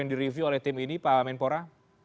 yang direview oleh tim ini pak menpora